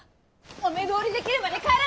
お目通りできるまで帰らないよ！